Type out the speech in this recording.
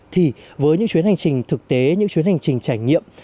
thì với những chuyến hành trình thực tế những chuyến hành trình trải nghiệm